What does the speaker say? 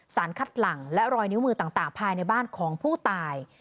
สารคัดหลังและรอยนิ้วมือต่างภายในบ้านของผู้ตาย